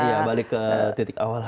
iya balik ke titik awal